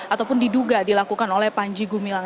ataupun diduga dilakukan oleh panjigu milang